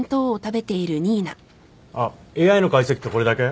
あっＡＩの解析ってこれだけ？